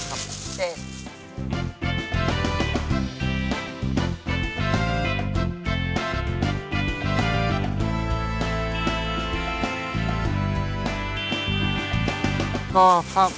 ประมาณ๗ครับ๗